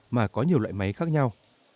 mà có nhiều loại máy khác nhau